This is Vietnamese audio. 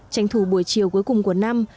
tranh thủ buổi chiều cuối cùng của năm